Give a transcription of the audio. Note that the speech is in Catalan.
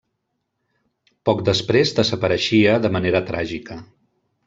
Poc després desapareixia de manera tràgica.